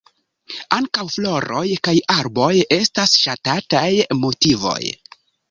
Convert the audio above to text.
Ankaŭ floroj kaj arboj estas ŝatataj motivoj.